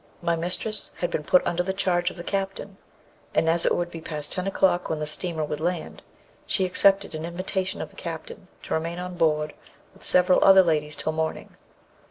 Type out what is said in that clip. My mistress had been put under the charge of the captain; and as it would be past ten o'clock when the steamer would land, she accepted an invitation of the captain to remain on board with several other ladies till morning.